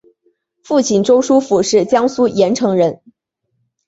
父亲周书府是江苏盐城人。